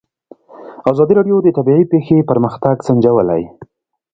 ازادي راډیو د طبیعي پېښې پرمختګ سنجولی.